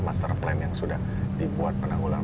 master plan yang sudah dibuat penanggulangan